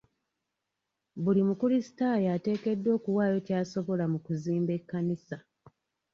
Buli mu kulisitaayo ateekeddwa okuwaayo ky'asobola mu kuzimba ekkanisa.